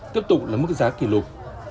tiếp tục là mức giá kỷ lục